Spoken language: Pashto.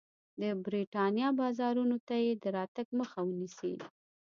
د برېټانیا بازارونو ته یې د راتګ مخه ونیسي.